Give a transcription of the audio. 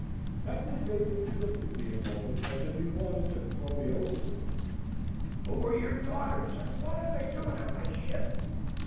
Capt. Bateman looked at me a moment as if he wanted to throw me overboard. "Who are your daughters and what are they doing on my ship?"